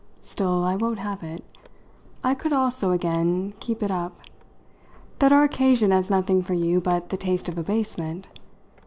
Still, I won't have it" I could also, again, keep it up "that our occasion has nothing for you but the taste of abasement.